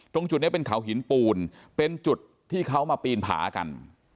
ตรงจุดนี้เป็นเขาหินปูนเป็นจุดที่เขามาปีนผากัน